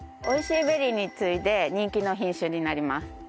おいＣベリーに次いで人気の品種になります。